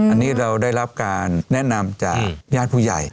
อันนี้เราได้รับการแนะนำจากญาติผู้ใหญ่